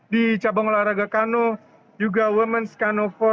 di cabang olahraga kano juga women's kano for lima ratus meter